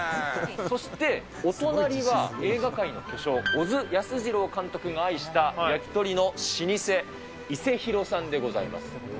そして、お隣は映画界の巨匠、小津安二郎監督が愛した焼き鳥の老舗、伊勢廣さんでございます。